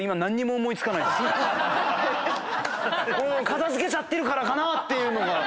片付けちゃってるからかなっていうのが。